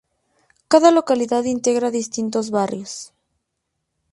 Cada localidad integra distintos barrios.